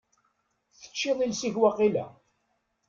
Teččiḍ iles-ik waqila?